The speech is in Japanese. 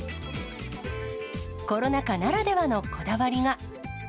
コロナ禍ならではのこだわりが。